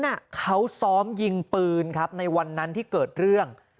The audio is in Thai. น่ะเขาซ้อมยิงปืนครับในวันนั้นที่เกิดเรื่อง